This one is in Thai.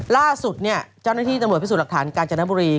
ล่าสุดเนี่ยเจ้าหน้าที่ตำรวจพิสูจน์หลักฐานกาญจนบุรี